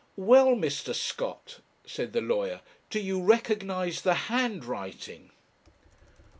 'Well, Mr. Scott,' said the lawyer, 'do you recognize the handwriting?'